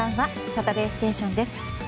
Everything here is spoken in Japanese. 「サタデーステーション」です。